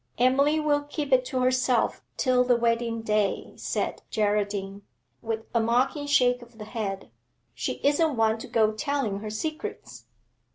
'Emily will keep it to herself till the wedding day,' said Geraldine, with a mocking shake of the bead. 'She isn't one to go telling her secrets.'